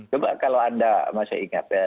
coba kalau anda masih ingat ya